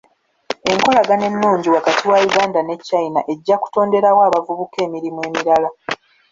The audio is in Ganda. Enkolagana ennungi wakati wa Uganda ne China ejja kutonderawo abavubuka emirimu emirala.